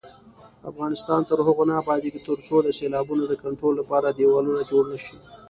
افغانستان تر هغو نه ابادیږي، ترڅو د سیلابونو د کنټرول لپاره دېوالونه جوړ نشي.